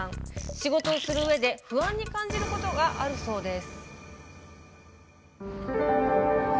仕事をするうえで不安に感じることがあるそうです。